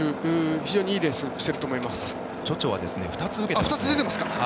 非常にいいレースをしていますね。